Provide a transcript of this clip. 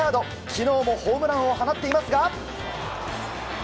昨日もホームランを放っていますが。